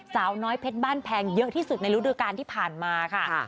สาวน้อยเพชรบ้านแพงเยอะที่สุดในฤดูการที่ผ่านมาค่ะ